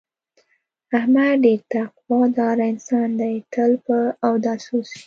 احمد ډېر تقوا داره انسان دی، تل په اوداسه اوسي.